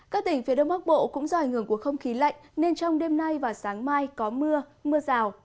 các tỉnh phía đông bắc bộ cũng do ảnh hưởng của không khí lạnh nên trong đêm nay và sáng mai có mưa mưa rào